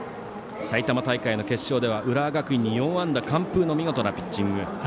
埼玉大会の決勝では浦和学院に４安打完封の見事なピッチング。